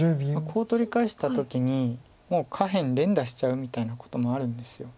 コウを取り返した時にもう下辺連打しちゃうみたいなこともあるんです。